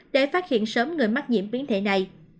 để phát hiện sớm người mắc nhiễm biến thể này